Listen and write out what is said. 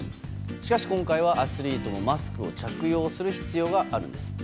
しかし今回はアスリートもマスクを着用する必要があるんです。